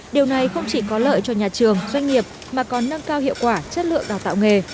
điều này không chỉ có lợi cho nhà trường doanh nghiệp mà còn nâng cao hiệu quả chất lượng đào tạo nghề